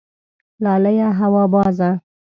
لالیه هوا بازه